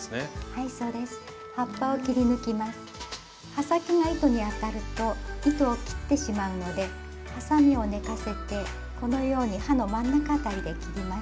刃先が糸に当たると糸を切ってしまうのではさみを寝かせてこのように刃の真ん中辺りで切ります。